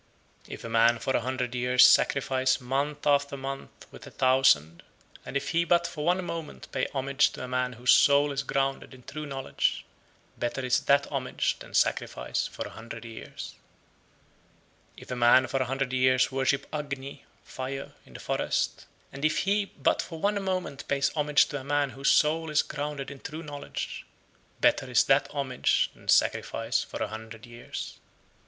If a man for a hundred years sacrifice month after month with a thousand, and if he but for one moment pay homage to a man whose soul is grounded (in true knowledge), better is that homage than sacrifice for a hundred years. 107. If a man for a hundred years worship Agni (fire) in the forest, and if he but for one moment pay homage to a man whose soul is grounded (in true knowledge), better is that homage than sacrifice for a hundred years. 108.